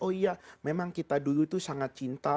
oh iya memang kita dulu itu sangat cinta